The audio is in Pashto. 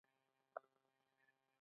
سهار د هیلو نغمه ده.